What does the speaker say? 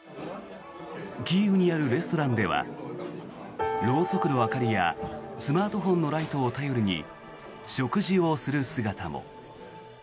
キーウにあるレストランではろうそくの明かりやスマートフォンのライトを頼りに食事をする姿も。